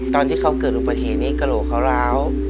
ตอนที่เขาเกิดอุบัติเหตุนี้กระโหลกเขาร้าว